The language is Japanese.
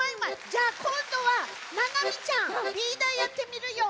じゃあこんどはななみちゃんリーダーやってみるよ。